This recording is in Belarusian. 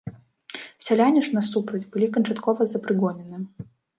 Сяляне ж, насупраць, былі канчаткова запрыгонены.